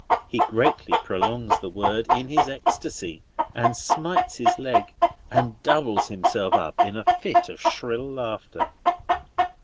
He greatly prolongs the word in his ecstasy, and smites his leg, and doubles himself up in a fit of shrill laughter.